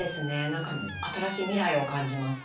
何か新しい未来を感じます。